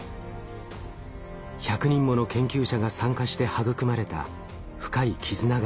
１００人もの研究者が参加して育まれた深い絆があります。